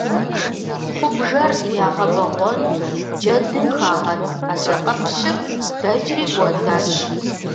Хъубжэр ягъэбэгъуэну джэдым хагъэт адакъэпщыр дэкӏри кӏуэдащ.